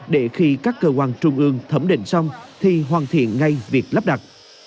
để khi các cơ quan trung ương thẩm định xong thì hoàn thiện ngay việc lắp đặt